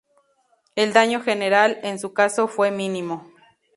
El daño general, en su caso, fue mínimo.